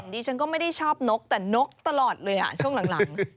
ดิฉันก็ไม่ได้ชอบนกแต่นกตลอดเลยช่วงหลัง